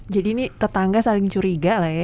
jadi ini tetangga saling curiga lah ya